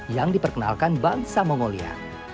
yang diperkenalkan bangsa mongolia